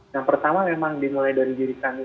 yang pertama memang dimulai dari diri kami